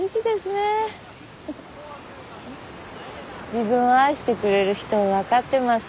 自分を愛してくれる人を分かってます。